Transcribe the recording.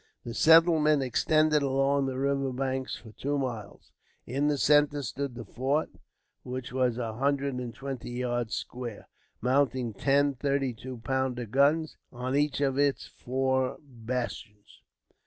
The settlement extended along the river banks for two miles. In the centre stood the fort, which was a hundred and twenty yards square, mounting ten thirty two pounder guns on each of its four bastions.